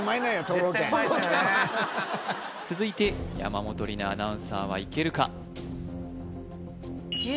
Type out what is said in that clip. とうろうけん続いて山本里菜アナウンサーはいけるか？